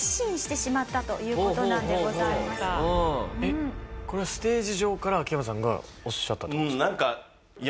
えっこれはステージ上から秋山さんがおっしゃったって事ですか？